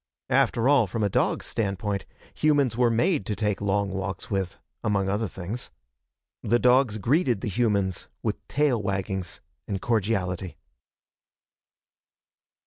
After all, from a dog's standpoint, humans were made to take long walks with, among other things. The dogs greeted the humans with tail waggings and cordiality.